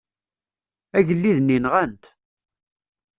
Agellid-nni nɣan-t.